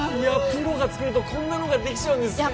プロが作るとこんなのができちゃうんですね